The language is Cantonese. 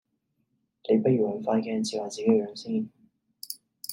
你不如搵塊鏡照下自己個樣先